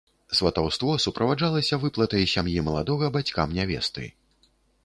Сватаўство суправаджалася выплатай сям'і маладога бацькам нявесты.